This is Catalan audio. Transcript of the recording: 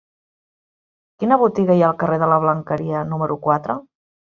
Quina botiga hi ha al carrer de la Blanqueria número quatre?